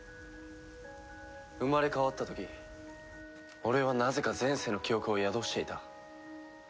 生まれ変わった時俺はなぜか前世の記憶を宿していた。